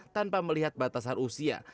tanpa melihat batasan usia